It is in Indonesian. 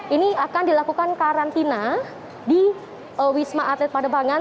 ini akan dilakukan karantina di wisma atlet padebangan